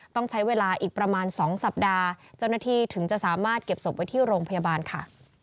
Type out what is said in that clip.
ต้องใช้เวลาอีกประมาณ๒สัปดาห์เจ้าหน้าที่ถึงจะสามารถเก็บศพไว้ที่โรงพยาบาลค่ะ